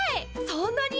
そんなに！？